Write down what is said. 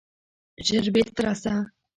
ژر بیرته راسه!